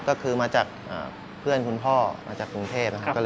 ก็คือมาจากเพื่อนคุณพ่อมาจากกรุงเทพนะครับ